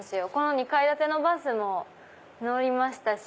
２階建てのバスも乗りましたし。